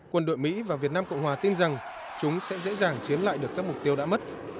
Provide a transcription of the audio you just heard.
quân đội mỹ và việt nam cộng hòa tin rằng chúng sẽ dễ dàng chiếm lại được các mục tiêu đã mất